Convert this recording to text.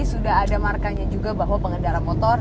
sudah ada markanya juga bahwa pengendara motor